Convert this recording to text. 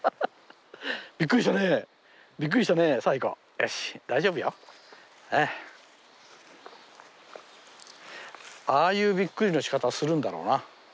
よし大丈夫よ。ああいうびっくりのしかたするんだろうな。